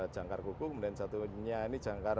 jangkar kuku kemudian satunya ini jangkar